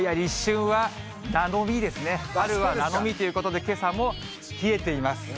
春はということで、けさも冷えています。